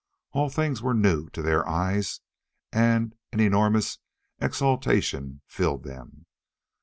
All things were new to their eyes, and an enormous exultation filled them.